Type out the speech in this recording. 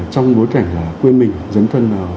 trong bối cảnh là quê mình dấn thân